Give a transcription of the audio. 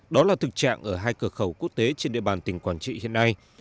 đó là thực trạng ở hai cửa khẩu quốc tế trên địa bàn tỉnh quảng trị hiện nay